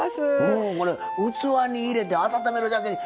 器に入れて温めるだけで。